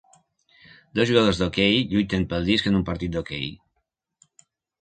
Dos jugadors d'hoquei lluiten pel disc en un partit d'hoquei